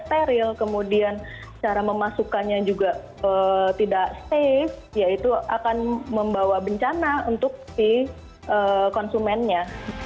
steril kemudian cara memasukkannya juga tidak safe yaitu akan membawa bencana untuk si konsumennya